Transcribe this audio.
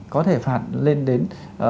có thể phạt lên đến